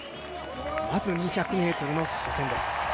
まず２００ｍ初戦です。